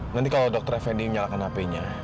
nanti kalau dokter effendi menyalakan hp nya